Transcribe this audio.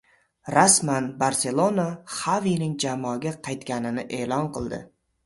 Rasman: “Barselona” Xavining jamoaga qaytganini e’lon qildi